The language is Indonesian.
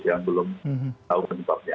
yang belum tahu penyebabnya